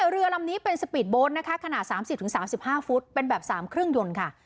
เรือลำนี้เป็นสปีดโบ๊ทนะคะขนาด๓๐๓๕ฟุตเป็นแบบ๓เครื่องยนต์ค่ะ